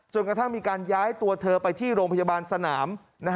กระทั่งมีการย้ายตัวเธอไปที่โรงพยาบาลสนาม